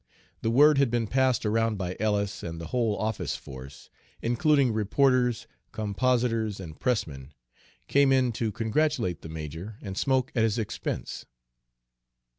The word had been passed around by Ellis, and the whole office force, including reporters, compositors, and pressmen, came in to congratulate the major and smoke at his expense.